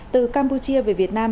từ campuchia về việt nam